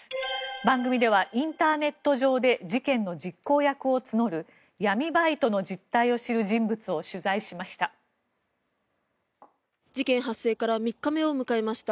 番組では、インターネット上で事件の実行役を募る闇バイトの実態を知る人物を取材しました。